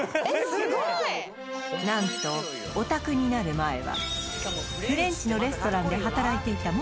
すごい！なんとオタクになる前はフレンチのレストランで働いていた元